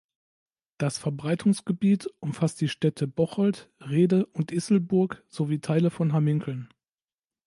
Das Verbreitungsgebiet umfasst die Städte Bocholt, Rhede und Isselburg sowie Teile von Hamminkeln.